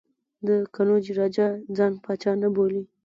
د قنوج راجا ځان پاچا نه بولي.